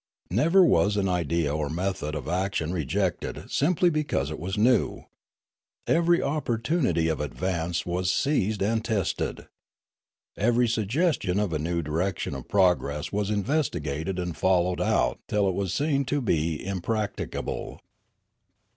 Never was an idea or method of action rejected simply because it was new. Every opportunity of advance was seized and tested. Every suggestion of a new direction of progress was investigated and followed out till it was seen to be impracticable.